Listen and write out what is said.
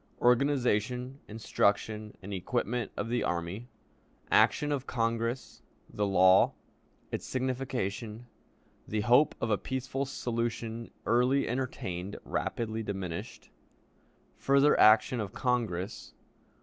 Organization, Instruction, and Equipment of the Army. Action of Congress. The Law. Its Signification. The Hope of a Peaceful Solution early entertained; rapidly diminished. Further Action of Congress.